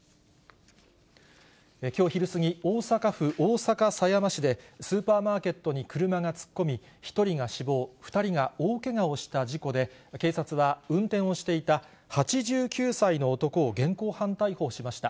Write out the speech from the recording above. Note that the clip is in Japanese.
きょう昼過ぎ、大阪府大阪狭山市で、スーパーマーケットに車が突っ込み、１人が死亡、２人が大けがをした事故で、警察は運転をしていた８９歳の男を現行犯逮捕しました。